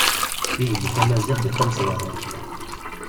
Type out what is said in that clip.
Tigemmi tamaziɣt d tamesbaɣurt.